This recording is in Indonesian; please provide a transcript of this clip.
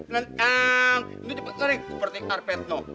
lentang ini cepet sering seperti karpet noh